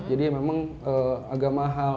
jadi memang agak mahal